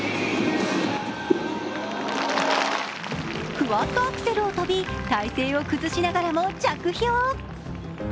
クワッドアクセルを跳び、体勢を崩しながらも着氷。